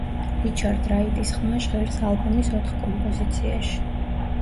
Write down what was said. რიჩარდ რაიტის ხმა ჟღერს ალბომის ოთხ კომპოზიციაში.